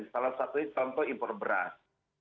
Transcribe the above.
salah satunya contoh impor beras